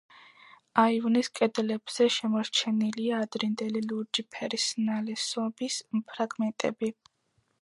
აივნის კედლებზე შემორჩენილია ადრინდელი ლურჯი ფერის ნალესობის ფრაგმენტები.